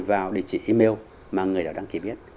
vào địa chỉ email mà người đã đăng ký biết